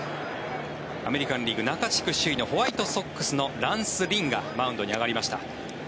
アメリカン・リーグ中地区首位のホワイトソックスのランス・リンがマウンドに上がりました。